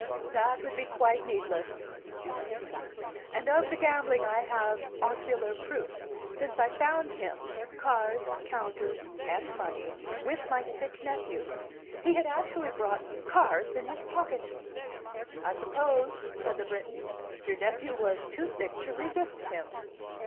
"That would be quite needless," Juno returned. "And of the gambling I have ocular proof, since I found him, cards, counters, and money, with my sick nephew. He had actually brought cards in his pocket." "I suppose," said the Briton, "your nephew was too sick to resist him."